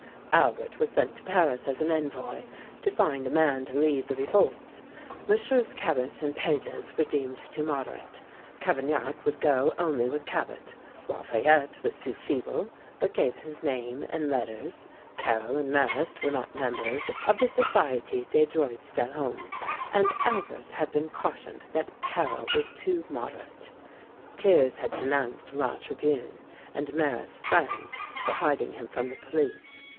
Albert was sent to Paris as an envoy, to find a man to lead the revolt. MM. Cabet and Pages were deemed too moderate. Cavaignac would go only with Cabet. Lafayette was too feeble, but gave his name and letters. Carrel and Marrast were not members of the Société des Droits de l'Homme, and Albert had been cautioned that Carrel was too moderate. Thiers had denounced 'La Tribune,' and Marrast's friends were hiding him from the police.